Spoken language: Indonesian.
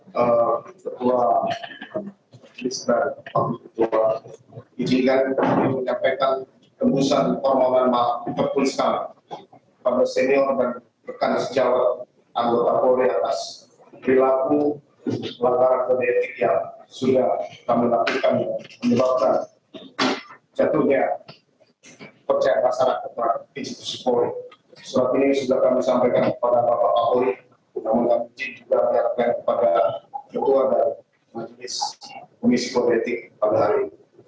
ketua ketua ijikan menyampaikan kemuliaan pemerintah pusat pemirsa dan rekan sejauh anggota polri atas perilaku melalui media media sudah kami lakukan menyebabkan jatuhnya percaya masyarakat terhadap institusi polri